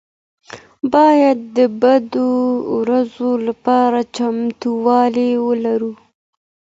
باید د بدو ورځو لپاره چمتووالی ولرو.